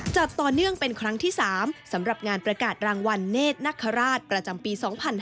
จัดต่อเนื่องเป็นครั้งที่๓สำหรับงานประกาศรางวัลเนธนคราชประจำปี๒๕๕๙